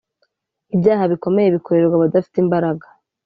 ibyaha bikomeye bikorerwa abadafite imbaraga.